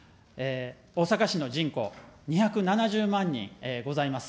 大阪市の人口、２７０万人ございます。